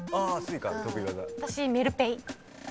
メルペイ。